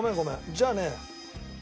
じゃあね。